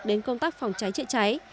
đến công tác phòng cháy chạy cháy